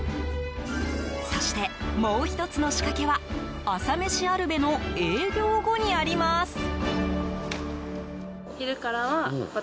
そして、もう１つの仕掛けは朝めしあるべの営業後にあります。